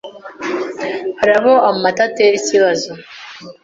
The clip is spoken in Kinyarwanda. Hari abo amata atera ikibazo,